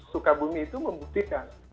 dan di sukabumi itu membuktikan